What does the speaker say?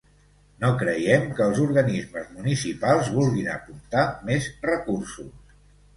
No creiem que els organismes municipals vulguin aportar més recursos.